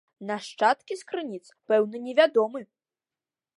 Нашчадкі з крыніц пэўна не вядомы.